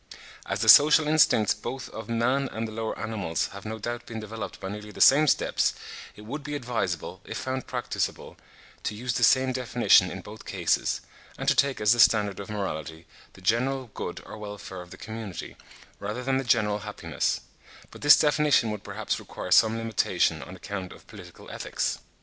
As the social instincts both of man and the lower animals have no doubt been developed by nearly the same steps, it would be advisable, if found practicable, to use the same definition in both cases, and to take as the standard of morality, the general good or welfare of the community, rather than the general happiness; but this definition would perhaps require some limitation on account of political ethics.